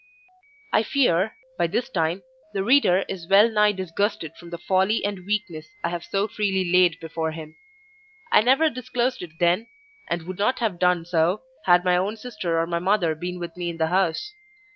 I fear, by this time, the reader is well nigh disgusted with the folly and weakness I have so freely laid before him. I never disclosed it then, and would not have done so had my own sister or my mother been with me in the house.